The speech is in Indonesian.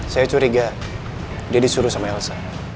saya curiga dia disuruh sama elsa